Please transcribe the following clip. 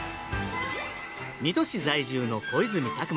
水戸市在住の小泉拓真さん